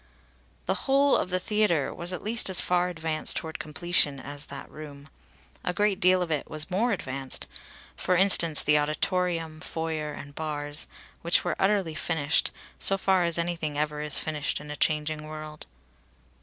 The whole of the theatre was at least as far advanced toward completion as that room. A great deal of it was more advanced; for instance the auditorium, foyer, and bars, which were utterly finished, so far as anything ever is finished in a changing world.